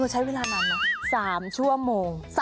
ใช้เวลานานเนี่ย๓ชั่วโมง